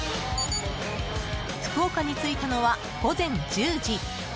福岡に着いたのは午前１０時。